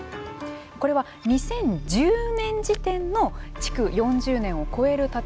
これは２０１０年時点の築４０年を超える建物の数です。